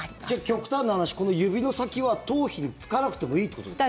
極端な話、この指の先は頭皮につかなくてもいいってことですか？